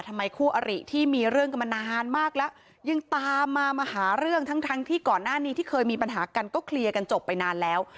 ทำไมคู่อริที่มีเรื่องกันมานานมากแล้วยังตามมามาหาเรื่องทั้งที่ก่อนหน้านี้ที่เคยมีปัญหากันก็เคลียร์กันจบไปนานแล้ว